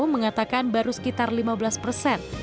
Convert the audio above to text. mengatakan baru sekitar lima belas persen